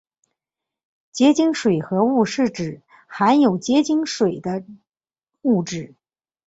结晶水合物是指含有结晶水的物质。